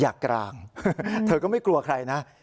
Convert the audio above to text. กลางเธอก็ไม่กลัวใครนะ